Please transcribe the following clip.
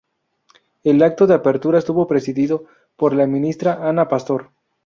El acto de apertura estuvo presidido por la ministra Ana Pastor.